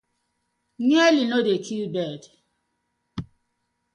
Nearly no dey kill bird: